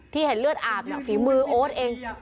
เห็นเลือดอาบฝีมือโอ๊ตเอง